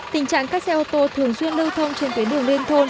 tình trạng các xe ô tô thường xuyên lưu thông trên tuyến đường liên thôn